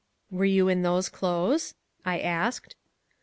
"Were you in those clothes?" I asked.